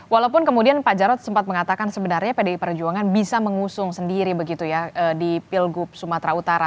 walaupun kemudian pak jarod sempat mengatakan sebenarnya pdi perjuangan bisa mengusung sendiri begitu ya di pilgub sumatera utara